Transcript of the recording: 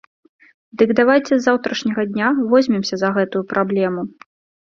Дык давайце з заўтрашняга дня возьмемся за гэтую праблему!